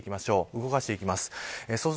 動かしていきます。